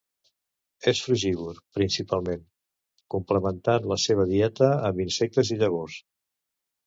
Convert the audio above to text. És frugívor principalment, complementant la seva dieta amb insectes i llavors.